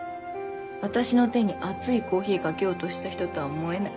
私の手に熱いコーヒーかけようとした人とは思えない。